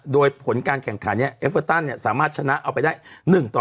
โดยผลการแข่งขันเอฟเวอร์ตันสามารถชนะเอาไปได้๑ต่อ๑